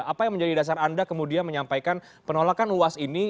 apa yang menjadi dasar anda kemudian menyampaikan penolakan uas ini